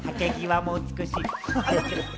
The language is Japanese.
ハケ際も美しい。